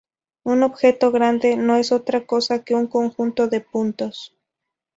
Un objeto grande no es otra cosa que un conjunto de puntos.